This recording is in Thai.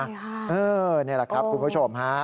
นี่แหละครับคุณผู้ชมฮะ